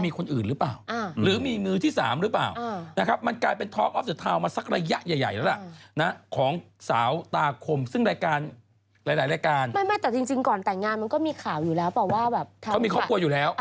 มีข่าวว่าเหมือนผู้ชายเองก็จีบผู้หญิงในวงการบันเทิงหลายหลัง